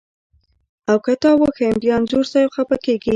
او که تا وښیم بیا انځور صاحب خپه کږي.